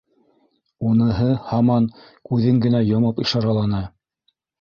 Уныһы һаман күҙен генә йомоп ишараланы.